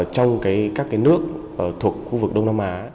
trong các nước thuộc khu vực đông nam á